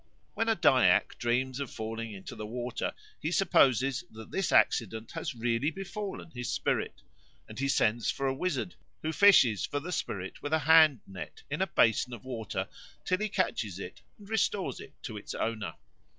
When a Dyak dreams of falling into the water, he supposes that this accident has really befallen his spirit, and he sends for a wizard, who fishes for the spirit with a hand net in a basin of water till he catches it and restores it to its owner.